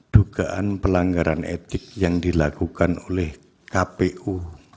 dugaan pelanggaran etik yang dilakukan oleh kpu